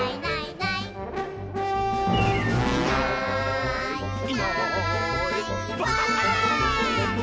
「いないいないばあっ！」